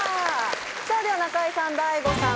さあでは中居さん大悟さん